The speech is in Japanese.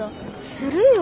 するよ。